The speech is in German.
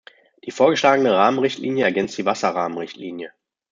Die vorgeschlagene Rahmenrichtlinie ergänzt die Wasserrahmenrichtlinie.